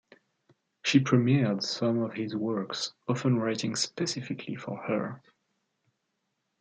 She premiered some of his works, often written specifically for her.